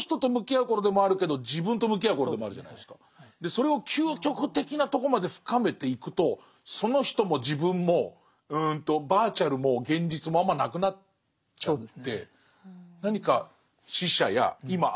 それを究極的なとこまで深めていくとその人も自分もバーチャルも現実もあんまなくなっちゃって何か死者や今会えない人と会ってる。